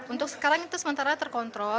untuk sekarang itu sementara terkontrol